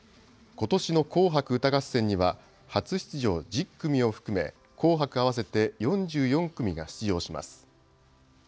ことしの紅白歌合戦には、初出場１０組を含め、紅白合わせて４４組が出場します。